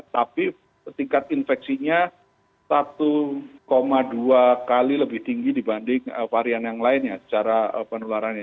tapi tingkat infeksinya satu dua kali lebih tinggi dibanding varian yang lainnya secara penularannya